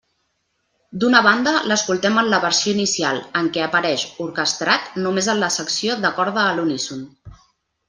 D'una banda, l'escoltem en la versió inicial, en què apareix orquestrat només en la secció de corda a l'uníson.